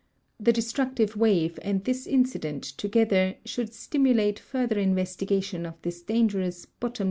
The destructive wave and this incident together should stimulate further investigation of this dangerous, bottomlc.